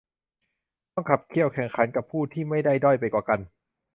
ต้องขับเคี่ยวแข่งขันกับผู้ที่ไม่ได้ด้อยไปกว่ากัน